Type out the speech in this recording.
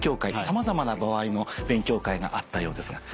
さまざまな場合の勉強会があったようですが。